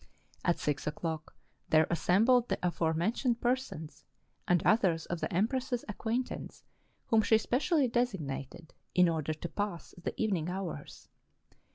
At six o'clock there assembled the aforementioned persons, and others of the empress's acquaintance whom she specially designated, in order to pass the evening hours.